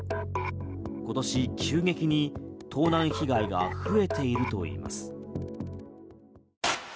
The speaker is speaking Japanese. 今年、急激に盗難被害が増えているといいます。